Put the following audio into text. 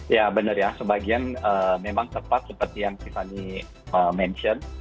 ya benar ya sebagian memang tepat seperti yang tiffany mention